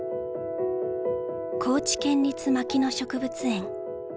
高知県立牧野植物園。